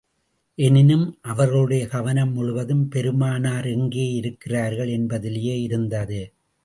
எனினும் அவர்களுடைய கவனம் முழுவதும், பெருமானார் எங்கே இருக்கிறார்கள் என்பதிலேயே இருந்தது.